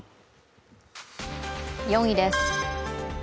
４位です。